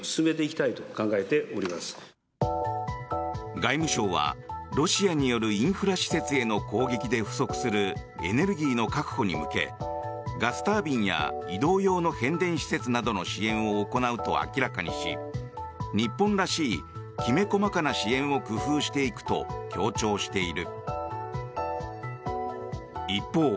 外務省はロシアによるインフラ施設への攻撃で不足するエネルギーの確保に向けガスタービンや移動用の変電施設などの支援を行うと明らかにし日本らしい、きめ細かな支援を工夫していくと強調している。